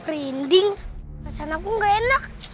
rinding perasaan aku gak enak